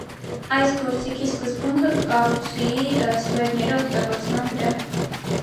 Այս գործիքի սկզբունքը կը կառուցուի ստուերներու օգտագործման վրայ։